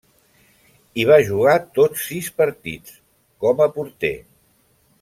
Hi va jugar tots sis partits, com a porter.